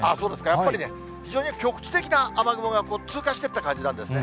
やっぱりね、非常に局地的な雨雲が通過していった感じなんですね。